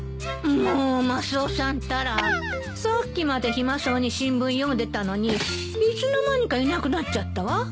もうマスオさんったらさっきまで暇そうに新聞読んでたのにいつの間にかいなくなっちゃったわ。